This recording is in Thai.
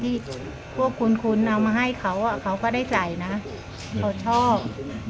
ที่พวกคุณคุณเอามาให้เขาเขาก็ได้ใส่นะเขาชอบ